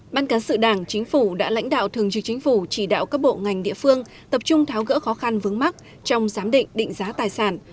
ban cán sự đảng chính phủ đã lãnh đạo thường trực chính phủ chỉ đạo các bộ ngành địa phương tập trung tháo gỡ khó khăn vướng mắt trong giám định định giá tài sản